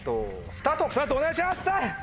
スタートお願いします！